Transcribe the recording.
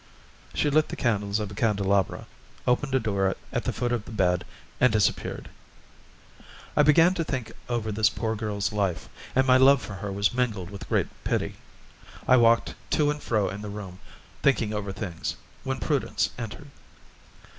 She lit the candles of a candelabra, opened a door at the foot of the bed, and disappeared. I began to think over this poor girl's life, and my love for her was mingled with a great pity. I walked to and fro in the room, thinking over things, when Prudence entered.